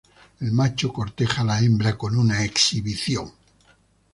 El macho corteja a la hembra con una exhibición.